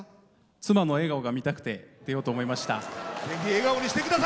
妻の笑顔が見たくて出ようと思いました。